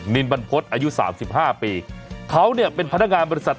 นินบรรพฤษอายุสามสิบห้าปีเขาเนี่ยเป็นพนักงานบริษัท